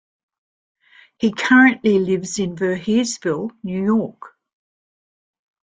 He currently lives in Voorheesville, New York.